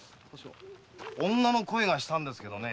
女の声がしたんですけどねえ？